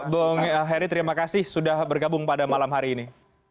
bung heri terima kasih sudah bergabung pada malam hari ini